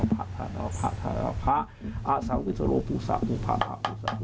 นี่คือวิธีการทำอะไรนะต้า